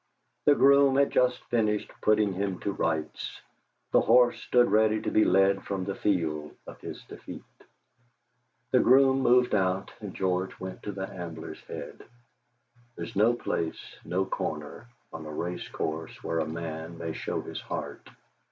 The groom had just finished putting him to rights; the horse stood ready to be led from the field of his defeat. The groom moved out, and George went to the Ambler's head. There is no place, no corner, on a racecourse where a man may show his heart.